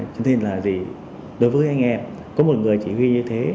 cho nên là gì đối với anh em có một người chỉ huy như thế